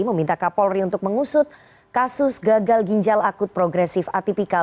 meminta kapolri untuk mengusut kasus gagal ginjal akut progresif atipikal